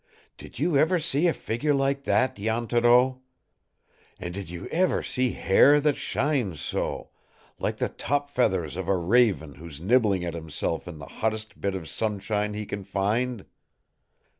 Did you ever see a figure like that, Jan Thoreau? And did you ever see hair that shines so, like the top feathers of a raven who's nibbling at himself in the hottest bit of sunshine he can find?